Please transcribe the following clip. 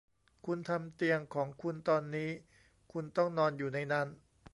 คุณทำเตียงของคุณตอนนี้คุณต้องนอนอยู่ในนั้น